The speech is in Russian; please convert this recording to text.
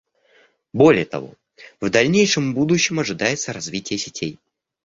Более того, в дальнейшем будущем ожидается развитие сетей